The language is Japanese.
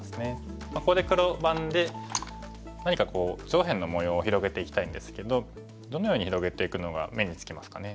ここで黒番で何か上辺の模様を広げていきたいんですけどどのように広げていくのが目につきますかね。